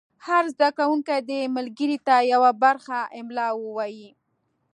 هر زده کوونکی دې ملګري ته یوه برخه املا ووایي.